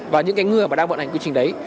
và những cái ngư mà đang vận hành quy trình đấy